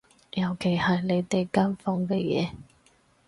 尤其係你哋間房嘅嘢